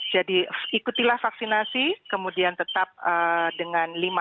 jadi ikutilah vaksinasi kemudian tetap dengan lima m yang selalu dihimbau